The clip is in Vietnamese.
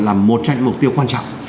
là một trong những mục tiêu quan trọng